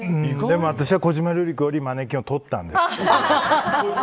でも私は小島瑠璃子よりマネキンをとったんです。